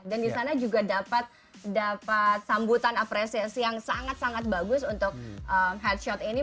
dan disana juga dapat dhat sambutan apresiasi yang sangat sangat bagus untuk head shot ini